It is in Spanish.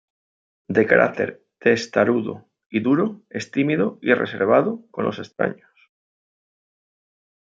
De carácter testarudo y duro es tímido y reservado con los extraños.